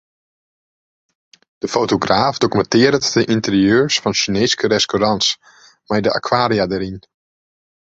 De fotograaf dokumintearret de ynterieurs fan Sjineeske restaurants mei de akwaria dêryn.